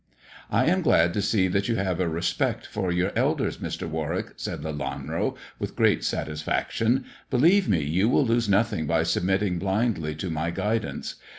"I am glad to see that you have a respect for your elders, Mr. Warwick," said Lelanro, with great satis faction. " Believe me, you will lose nothing by submitting blindly to my guidance.